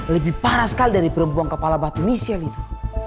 lebih parah sekali dari perempuan kepala batu misial itu